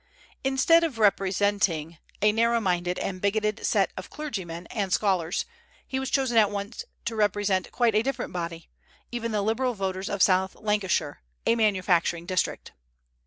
Instead of representing a narrow minded and bigoted set of clergymen and scholars, he was chosen at once to represent quite a different body, even the liberal voters of South Lancashire, a manufacturing district.